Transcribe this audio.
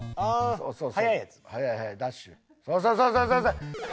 そうそうそうそう！